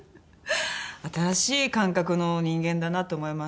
新しい感覚の人間だなと思います。